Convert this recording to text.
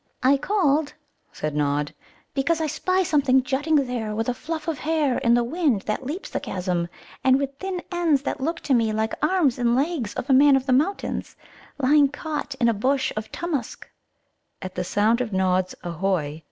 "I called," said Nod, "because I spy something jutting there with a fluff of hair in the wind that leaps the chasm, and with thin ends that look to me like the arms and legs of a Man of the Mountains lying caught in a bush of Tummusc." At the sound of Nod's "Ahôh!"